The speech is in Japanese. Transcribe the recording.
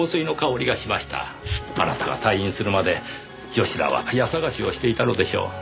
あなたが退院するまで吉田は家捜しをしていたのでしょう。